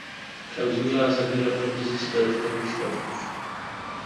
Klauzula zawiera propozycje dodatkowych środków